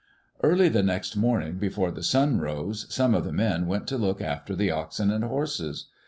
Early the next morning, before the sun rose, some of the men went to look after the oxen and horses.